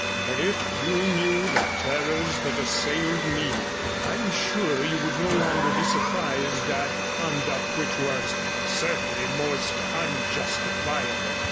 But if you knew the terrors that assailed me, I am sure you would no longer be surprised at conduct which was certainly most unjustifiable.'